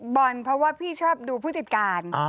บอลเพราะว่าพี่ชอบดูผู้จัดการ